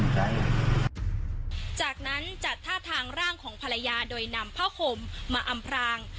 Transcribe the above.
จากนั้นจัดท่าทางร่างของภรรยาโดยนำผ้าห่มมาอำพราง